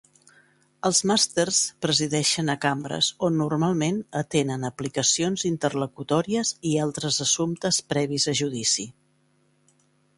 Els Masters presideixen a cambres, on normalment atenen aplicacions interlocutòries i altres assumptes previs a judici.